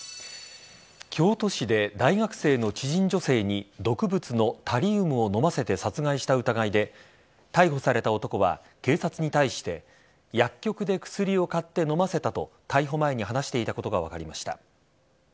京都市で大学生の知人女性に毒物のタリウムを飲ませて殺害した疑いで逮捕された男は警察に対して薬局で薬を買って飲ませたと逮捕前に話していたことが分かりました。